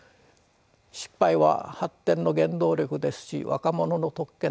失敗は発展の原動力ですし若者の特権です。